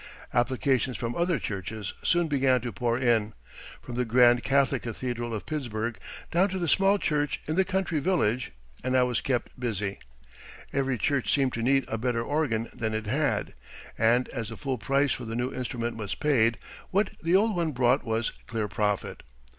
Applications from other churches soon began to pour in, from the grand Catholic Cathedral of Pittsburgh down to the small church in the country village, and I was kept busy. Every church seemed to need a better organ than it had, and as the full price for the new instrument was paid, what the old one brought was clear profit.